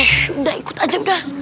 sssh udah ikut aja udah